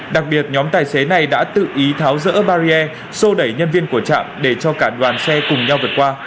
đặc biệt nhóm tài xế này đã tự ý tháo rỡ barrier sô đẩy nhân viên của trạm để cho cả đoàn xe cùng nhau vượt qua